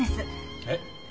えっ？